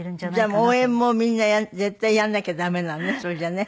じゃあ応援もみんな絶対やらなきゃ駄目なのねそれじゃあね。